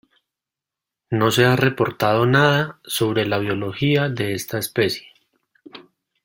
No se ha reportado nada sobre la biología de esta especie.